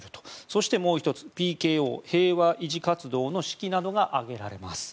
そして、もう１つＰＫＯ・平和維持活動の指揮などが挙げられます。